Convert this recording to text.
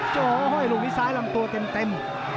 โหห้อยลูกนี้ซ้ายลำตัวเต็ม